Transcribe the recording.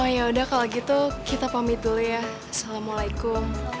ya udah kalau gitu kita pamit dulu ya assalamualaikum